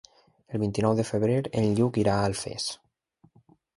El vint-i-nou de febrer en Lluc irà a Alfés.